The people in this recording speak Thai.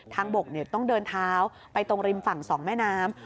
บกต้องเดินเท้าไปตรงริมฝั่ง๒แม่น้ำ